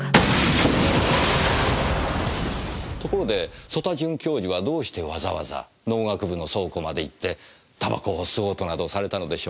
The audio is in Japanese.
ところで曽田准教授はどうしてわざわざ農学部の倉庫まで行って煙草を吸おうとなどされたのでしょう？